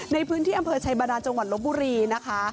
ในพื้นที่อำเภอชัยบาดานจังหวัดลบบุรีนะคะ